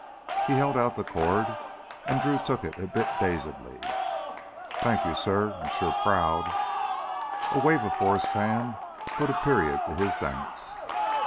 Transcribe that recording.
He held out the cord, and Drew took it a bit dazedly. "Thank you, suh. I'm sure proud...." A wave of Forrest's hand put a period to his thanks.